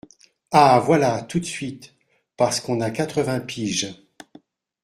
Ah voilà ! Tout de suite ! Parce qu’on a quatre-vingts piges